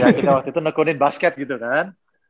ya kita waktu itu nekunin basket gitu kan